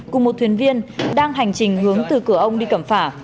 cùng một thuyền viên đang hành trình hướng từ cửa ông đi cầm phả